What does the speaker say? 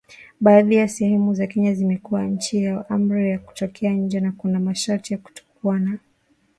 Baadhi ya sehemu za Kenya zimekuwa chini ya amri ya kutotoka nje na kuna masharti ya kutokuwa na mikusanyiko ya usiku kabla ya uchaguzi